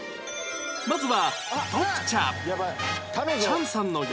まずは